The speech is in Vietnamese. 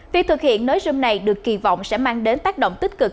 việc thực hiện nới sm này được kỳ vọng sẽ mang đến tác động tích cực